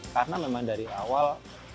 karena memang dari awal